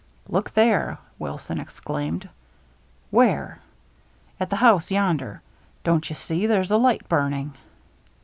" Look there !" Wilson exclaimed. "Where?" "At the house yonder. Don't you see there's a light burning?"